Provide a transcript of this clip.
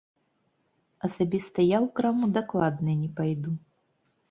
Асабіста я ў краму дакладна не пайду.